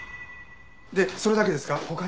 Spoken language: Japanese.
でそれだけですか？